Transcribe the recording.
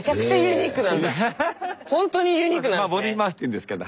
ほんとにユニークなんですね。